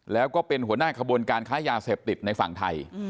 แล้วก็เป็นหัวหน้าขบวนการค้ายาเสพติดในฝั่งไทย